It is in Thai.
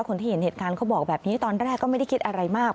คนที่เห็นเหตุการณ์เขาบอกแบบนี้ตอนแรกก็ไม่ได้คิดอะไรมาก